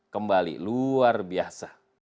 kembali luar biasa